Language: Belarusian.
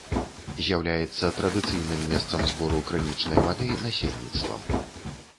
З'яўляецца традыцыйным месцам забору крынічнай вады насельніцтвам.